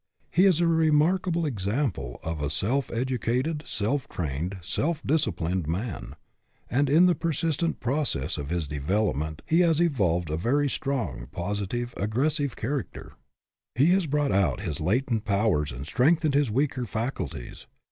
He is a remarkable example of a self educated 242 GETTING AWAY FROM POVERTY self trained, self disciplined man; and, in the persistent process of his development he has evolved a very strong, positive, aggressive character. He has brought out his latent powers and strengthened his weaker faculties.